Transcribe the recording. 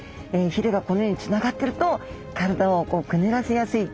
ひれがこのようにつながってると体をくねらせやすい。